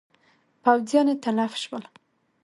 پوځیان یې تلف شول.